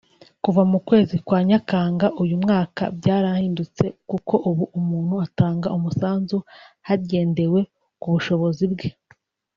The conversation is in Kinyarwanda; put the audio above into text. Kuva mu kwezi kwa Nyakanga uyu mwaka byarahindutse kuko ubu umuntu atanga umusanzu hagendewe ku bushobozi bwe